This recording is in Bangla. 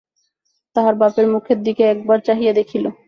তাহার বাপের মুখের দিকে একবার চাহিয়া দেখিল।